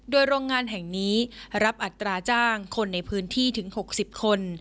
โดยโรงงานแห่งนี้รับอัตราจ้างคนในพื้นที่ถึง๖๐คน